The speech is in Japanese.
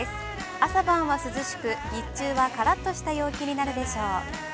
朝晩は涼しく、日中はカラッとした陽気になるでしょう。